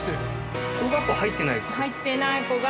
小学校入ってない子が？